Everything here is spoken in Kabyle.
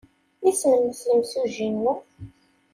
Isem-nnes yimsujji-inu?